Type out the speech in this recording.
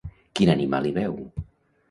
Quin animal hi veu?